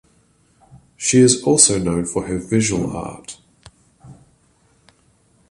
She is also known for her visual art.